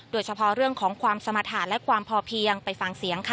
โดยเฉพาะเรื่องของความสมรรถาและความพอเพียงไปฟังเสียงค่ะ